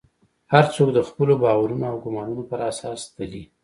هر څوک د خپلو باورونو او ګومانونو پر اساس تلي.